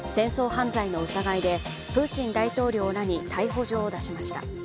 犯罪の疑いでプーチン大統領らに逮捕状を出しました。